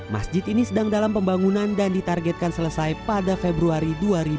masjid ini sedang dalam pembangunan dan ditargetkan selesai pada februari dua ribu dua puluh